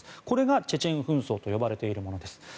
これがチェチェン紛争と呼ばれているものです。